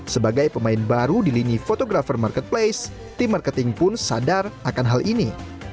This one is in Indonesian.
sebagai pemain baru di lini fotografer marketplace tim marketing pun sadar akan hal ini